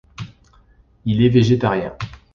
Il est végétarien.